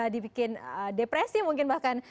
dibikin depresi mungkin bahkan